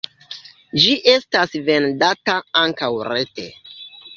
Ĝi estas vendata ankaŭ rete.